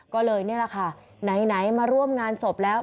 ก็เลยนี่แหละค่ะไหนมาร่วมงานศพแล้ว